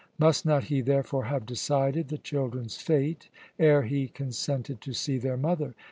Must not he, therefore, have decided the children's fate ere he consented to see their mother?